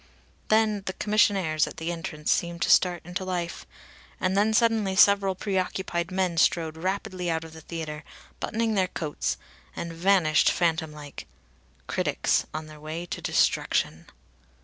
Then the commissionaires at the entrance seemed to start into life. And then suddenly several preoccupied men strode rapidly out of the theatre, buttoning their coats, and vanished, phantom like. Critics, on their way to destruction!